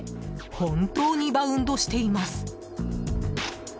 本当にバウンドしています。